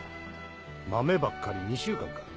豆ばっかり２週間か。